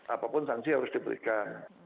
apapun sanksi harus diberikan